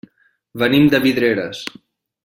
Venim de Vidreres.